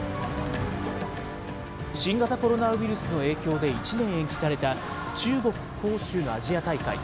新型コロナウイルスの影響で１年延期された中国・杭州のアジア大会。